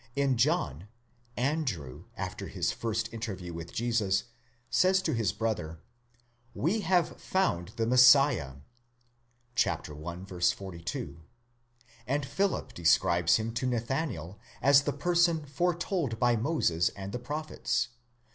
In John, Andrew, after his first interview with Jesus, says to his brother, we have found the Messiah, εὑρήκαμεν τὸν Μεσσίαν (i. 42); and Philip describes him to Nathanael as the person foretold by Moses and the prophets (v.